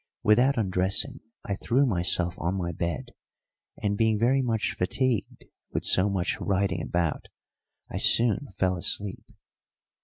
Without undressing I threw myself on my bed, and, being very much fatigued with so much riding about, I soon fell asleep.